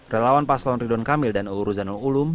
relawan paslon redon kamil dan uruzanul ulum